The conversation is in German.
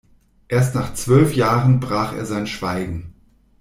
Erst nach zwölf Jahren brach er sein Schweigen.